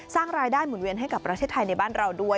สร้างรายได้หมุนเวียนให้กับประเทศไทยในบ้านเราด้วย